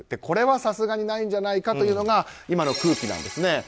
これはさすがにないんじゃないかというのが今の空気なんですね。